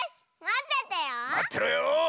まってろよ！